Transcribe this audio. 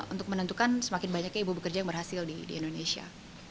untuk menentukan semakin banyaknya ibu bekerja yang berhasil di indonesia